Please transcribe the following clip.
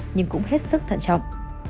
nhưng cũng hết sức thận trọng